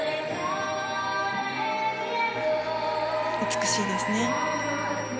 美しいですね。